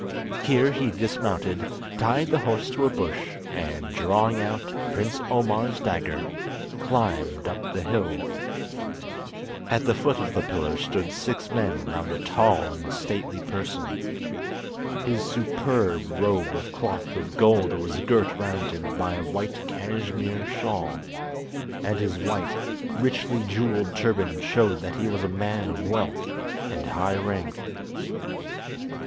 Here he dismounted, tied the horse to a bush, and, drawing out Prince Omar's dagger climbed up the hill. At the foot of the pillar stood six men round a tall and stately person. His superb robe of cloth of gold was girt round him by a white cashmere shawl, and his white, richly jewelled turban showed that he was a man of wealth and high rank.